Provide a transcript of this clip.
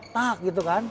tak gitu kan